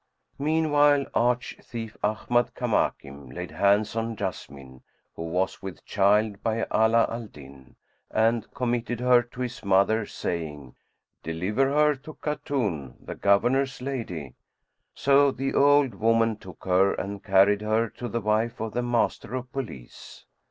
Meanwhile, arch thief Ahmad Kamakim laid hands on Jessamine, who was with child by Ala al Din, and committed her to his mother, saying, "Deliver her to Khatun, the Governor's lady:" so the old woman took her and carried her to the wife of the Master of Police.